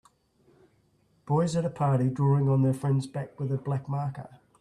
Boys at a party drawing on their friend 's back with a black marker.